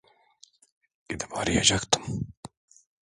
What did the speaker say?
Gidip arayacaktım.